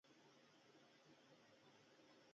په ځینو سیمو کې د څارویو بېلابېل ډولونه شتون درلود.